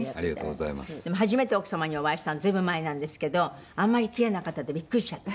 初めて奥様にお会いしたの随分前なんですけどあんまりきれいな方でビックリしちゃって。